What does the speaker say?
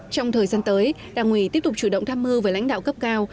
trong thời gian tới đảng ủy tiếp tục chủ động tham mưu với lãnh đạo cấp cao